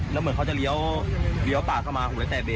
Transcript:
แล้วเหมือนเขาจะเลี้ยวปากเข้ามา